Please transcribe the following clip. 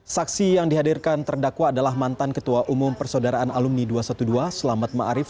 saksi yang dihadirkan terdakwa adalah mantan ketua umum persaudaraan alumni dua ratus dua belas selamat ⁇ maarif ⁇